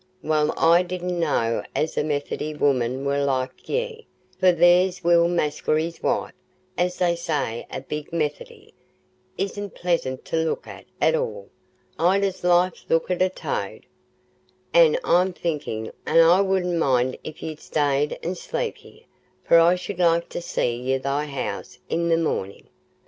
"Well, I didna know as the Methody women war like ye, for there's Will Maskery's wife, as they say's a big Methody, isna pleasant to look at, at all. I'd as lief look at a tooad. An' I'm thinkin' I wouldna mind if ye'd stay an' sleep here, for I should like to see ye i' th' house i' th' mornin'.